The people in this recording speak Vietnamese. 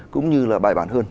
cũng như là bài bản hơn